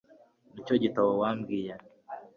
Nicyo gitabo wambwiye